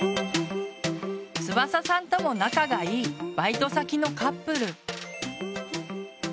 つばささんとも仲がいいバイト先のカップル。